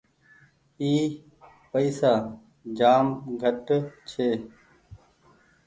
اي پئيسا جآم گھٽ ڇي۔